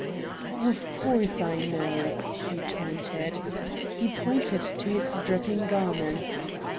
"Of course I know," he taunted. He pointed to his dripping garments.